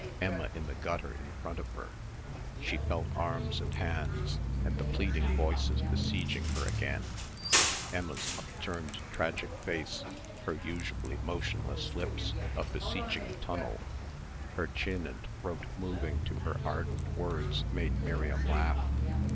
Emma in the gutter in front of her. She felt arms and hands, and the pleading voices besieged her again. Emma's upturned tragic face, her usually motionless lips a beseeching tunnel, her chin and throat moving to her ardent words made Miriam laugh.